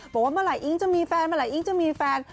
บอกว่าเมื่อไห้อิ๊งจะมีแฟนเมื่อไหิ้งจะมีแฟน